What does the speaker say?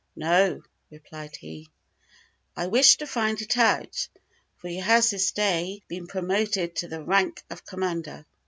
"No," replied he, "I wish to find it out, for he has this day been promoted to the rank of Commander."